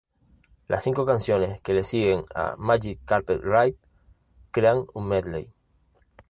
Las cinco canciones que le siguen a "Magic Carpet Ride" crean un medley.